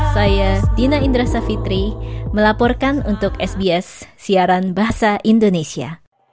saya dina indra savitri melaporkan untuk sbs siaran bahasa indonesia